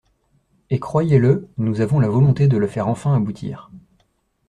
Et croyez-le, nous avons la volonté de le faire enfin aboutir.